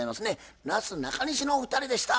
なすなかにしのお二人でした。